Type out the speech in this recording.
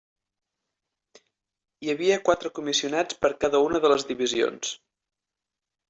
Hi havia quatre comissionats per cada una de les divisions.